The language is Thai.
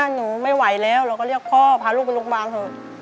หนูไม่ไหวแล้วเราก็เรียกพ่อพาลูกไปโรงพยาบาลเถอะ